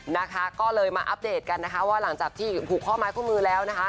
นะคะก็เลยมาอัปเดตกันนะคะว่าหลังจากที่ผูกข้อไม้ข้อมือแล้วนะคะ